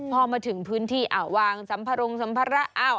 พอมาถึงพื้นที่อ่ะวางสัมภารงษ์สัมภาระอาว